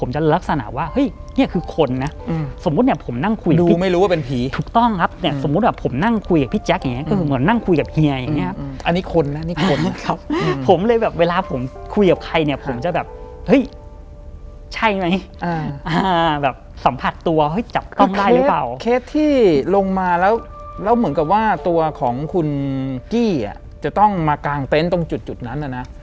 จะต้องมากางเต็นต์ตรงจุดนั้นนะ